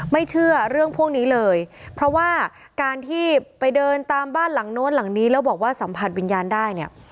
ไม่เชื่อเรื่องพวกนี้เลยเพราะว่าการที่ไปเดินตามบ้านหลังโน้นหลังนี้แล้วบอกว่าสัมผัสวิญญาณได้เนี่ย